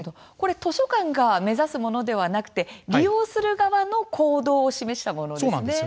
図書館が目指すものではなくて利用する側の行動を示したものなんですね。